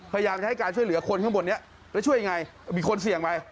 พยายามจะให้การช่วยเหลือคนข้างบนนี้แล้วช่วยยังไงมีคนเสี่ยงไป